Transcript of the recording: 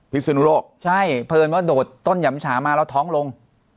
พิศนุโรคใช่เพราะฉะนั้นว่าโดดต้นยำฉามาแล้วท้องลง